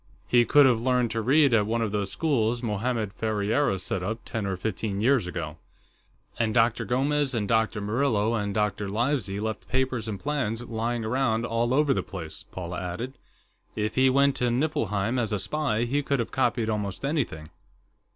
He could have learned to read at one of those schools Mohammed Ferriera set up, ten or fifteen years ago." "And Dr. Gomes and Dr. Murillo and Dr. Livesey left papers and plans lying around all over the place," Paula added. "If he went to Niflheim as a spy, he could have copied almost anything."